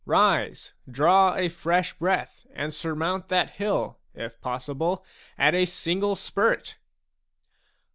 Rise, draw a fresh breath, and surmount that hill, if possible, at a single spurt